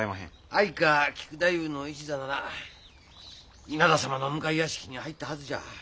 相川菊太夫の一座なら稲田様の向屋敷に入ったはずじゃ。